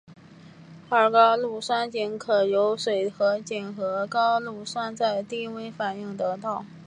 二高氯酸肼可由水合肼和高氯酸在低温反应得到。